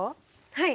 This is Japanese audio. はい！